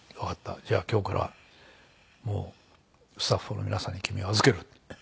じゃあ今日からはもうスタッフの皆さんに君を預ける。